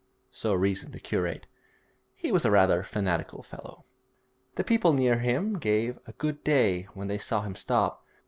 So reasoned the curate; he was a rather fanatical fellow. The people near gave him 'good day' when they saw him stop.